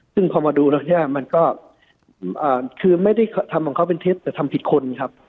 ซึ่งพอมาดูแล้วเนี่ยมันก็คือไม่ได้ทำของเขาเป็นเท็จแต่ทำผิดคนครับ